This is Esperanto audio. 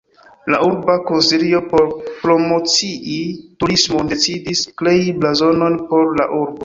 La urba konsilio, por promocii turismon, decidis krei blazonon por la urbo.